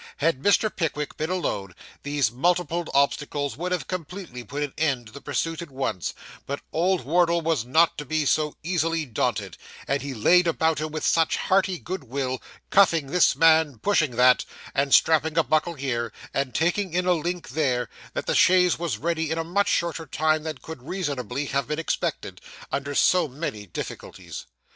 Had Mr. Pickwick been alone, these multiplied obstacles would have completely put an end to the pursuit at once, but old Wardle was not to be so easily daunted; and he laid about him with such hearty good will, cuffing this man, and pushing that; strapping a buckle here, and taking in a link there, that the chaise was ready in a much shorter time than could reasonably have been expected, under so many difficulties.